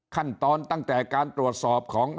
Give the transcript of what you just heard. ขั้นตอนตั้งแต่การตรวจสอบของ